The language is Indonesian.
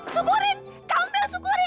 sukurin kamu mau sukurin